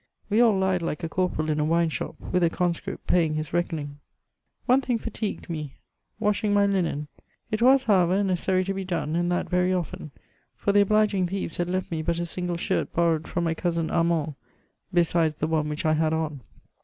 We aU lied like a corporal in a wine ahop^ with a conaer^ payii^ hia reckoniiig^. One thing fatigued me, — ^washing my lin«i ; it was, however, necessary to he done, and that very ofiten, for the obliging thieves had 1^ me bat a single shirt borrowed from my cousin Armand, besides the one which I had on.